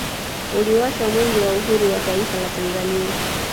Uliwashwa mwenge wa uhuru wa taifa la Tanzania